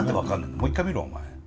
もう一回見ろお前。